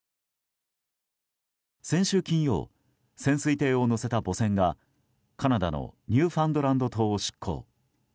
先週金曜、潜水艇を載せた母船がカナダのニューファンドランド島を出航。